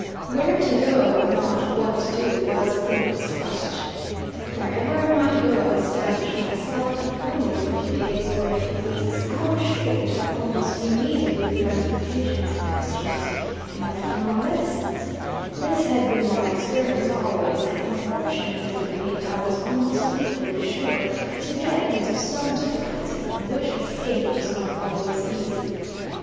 Where to go, not what to do, was the next question. Wherever I might go and establish myself, if only for a few days, or a few weeks, I was sure to have almost immediately plenty of patients and customers enough for my medicines this had been my experience always and unfortunately for me, I was almost equally sure to get into some difficulty from which escape was not always easy.